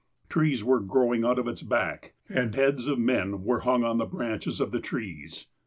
Trees were growing out of its back, and heads of men were hung on the branches of the trees.